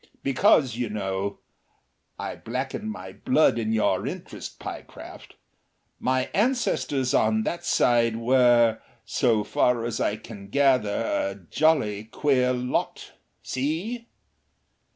Because, you know I blacken my blood in your interest, Pyecraft my ancestors on that side were, so far as I can gather, a jolly queer lot. See?"